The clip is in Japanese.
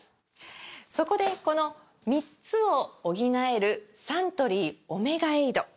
そこでこの３つを補えるサントリー「オメガエイド」！